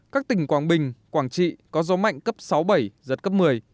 các tỉnh quảng bình quảng trị có gió mạnh cấp sáu bảy giật cấp một mươi